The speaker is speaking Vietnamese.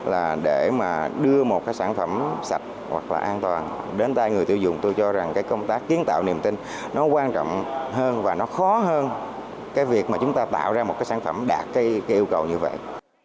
là để mà đưa một cái sản phẩm sạch hoặc là an toàn đến tay người tiêu dùng tôi cho rằng cái công tác kiến tạo niềm tin nó quan trọng hơn và nó khó hơn cái việc mà chúng ta tạo ra một cái sản phẩm đạt cái yêu cầu như vậy